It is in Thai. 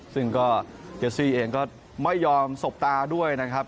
ซึ่งก็เจสซี่เองก็ไม่ยอมสบตาด้วยนะครับ